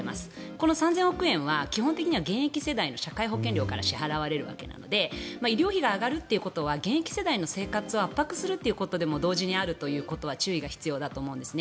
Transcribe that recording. この３０００億円は基本的には現役世代の社会保険料から支払われるわけなので医療費が上がるということは現役世代の生活を圧迫するということでも同時にあるということには注意が必要だと思うんです。